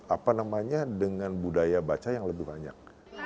apa namanya dengan budaya baca yang lebih banyak